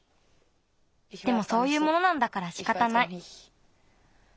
でもそういうものなんだからしかたない。